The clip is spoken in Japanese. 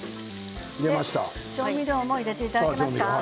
調味料も入れていただけますか？